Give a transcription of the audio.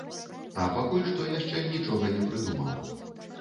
А пакуль што яшчэ нічога не прыдумала.